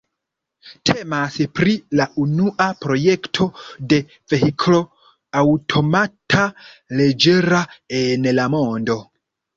Temas pri la unua projekto de vehiklo aŭtomata leĝera en la mondo.